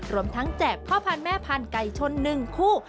รวมทั้งแจบพ่อพ่านแม่พ่านไก่ชนหนึ่งคู่